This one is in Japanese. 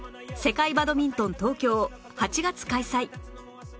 世界バドミントン東京８月開催